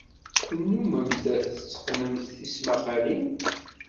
Tennummemt tetteqqnemt tismaqqalin?